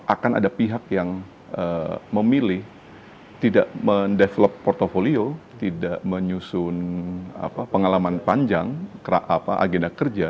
akan ada pihak yang memilih tidak mendevelop portofolio tidak menyusun pengalaman panjang agenda kerja